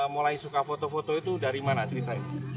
mulai suka foto foto itu dari mana ceritain